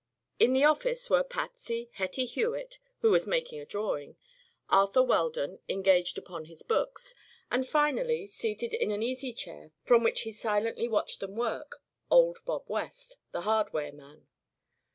In the office were Patsy, Hetty Hewitt who was making a drawing Arthur Weldon, engaged upon his books, and finally, seated in an easy chair from which he silently watched them work, old Bob West, the hardware man.